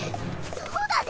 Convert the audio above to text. そうだぜ！